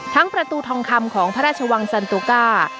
ประตูทองคำของพระราชวังสันตุก้า